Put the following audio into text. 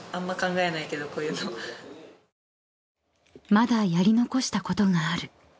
［まだやり残したことがある］